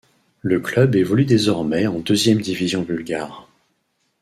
Le club évolue désormais en deuxième division bulgare.